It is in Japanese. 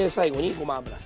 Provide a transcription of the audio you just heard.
ごま油。